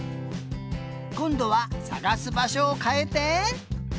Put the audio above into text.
こんどはさがすばしょをかえて。